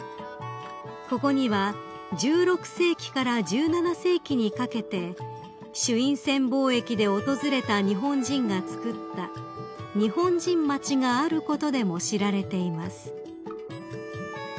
［ここには１６世紀から１７世紀にかけて朱印船貿易で訪れた日本人がつくった日本人町があることでも知られています］